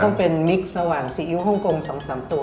มันต้องมิคสะหว่างซิอิ้วฮ่องโกง๒๓ตัว